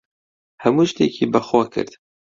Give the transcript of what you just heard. هەموو شتێکی بەخۆ کرد.